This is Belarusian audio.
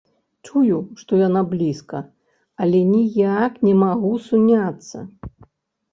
Чую, што яна блізка, але ніяк не магу суняцца.